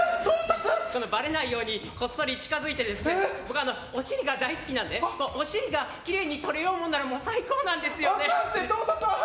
ばれないようにこっそり近づいて僕、お尻が大好きなのでお尻がきれいに撮れようもんなら最高なんですよね。